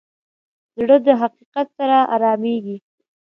زړه د حقیقت سره ارامېږي.